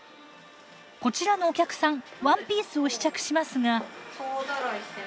こちらのお客さんワンピースを試着しますが。